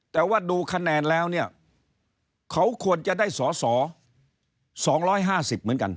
แต่ว่าดูคะแนนแล้วเนี่ยเขาควรจะได้สอสอ๒๕๐เหมือนกัน